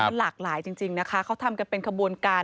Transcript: มันหลากหลายจริงนะคะเขาทำกันเป็นขบวนการ